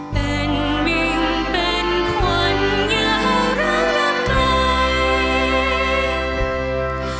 เป็นมิ่งเป็นขวัญอย่ารักรักใกล้